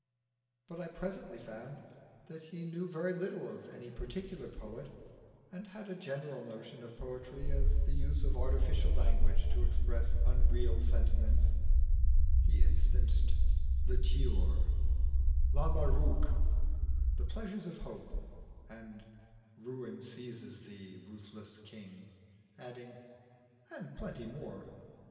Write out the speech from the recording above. But I presently found that he knew very little of any particular poet, and had a general notion of poetry as the use of artificial language to express unreal sentiments: he instanced "The Giaour," "Lalla Rookh," "The Pleasures of Hope," and "Ruin seize thee, ruthless King;" adding, "and plenty more."